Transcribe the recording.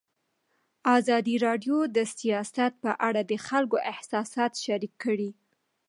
ازادي راډیو د سیاست په اړه د خلکو احساسات شریک کړي.